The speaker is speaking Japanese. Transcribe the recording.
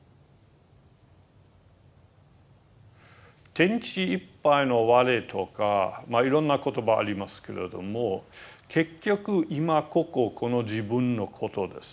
「天地いっぱいの我」とかいろんな言葉ありますけれども結局今こここの自分のことですね。